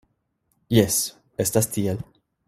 Jes, estas tiel.